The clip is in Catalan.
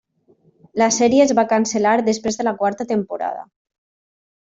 La sèrie es va cancel·lar després de la quarta temporada.